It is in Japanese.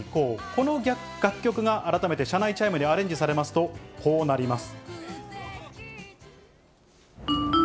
この楽曲が改めて車内チャイムにアレンジされますと、こうなります。